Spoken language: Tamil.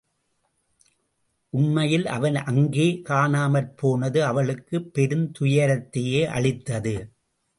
உண்மையில் அவன் அங்கே காணாமற்போனது அவளுக்குப் பெருந் துயரத்தையே அளித்தது.